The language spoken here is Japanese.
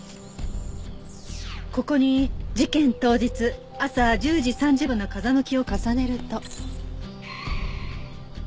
ここに事件当日朝１０時３０分の風向きを重ねると。